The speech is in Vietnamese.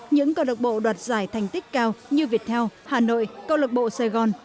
những cầu độc bộ đoạt giải thành tích cao như viettel hà nội cầu độc bộ sài gòn